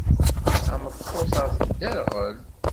Tameṭṭut-a tedderɣel.